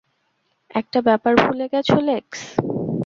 একটা ব্যাপার ভুলে গেছো, লেক্স।